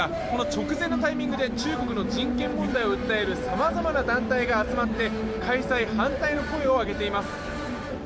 この直前のタイミングで中国の人権問題を訴えるさまざまな団体が集まって開催反対の声を上げています。